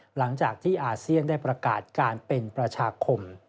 หลังจากที่อาเซียนได้ประกาศการเป็นประชาคม